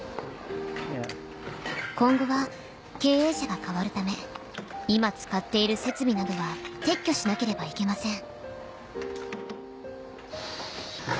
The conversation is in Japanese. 今後は経営者が替わるため今使っている設備などは撤去しなければいけません